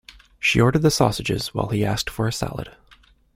She ordered the sausages while he asked for a salad.